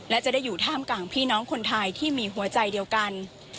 และจะได้อยู่ท่ามกลางพี่น้องคนไทยที่มีหัวใจเดียวกัน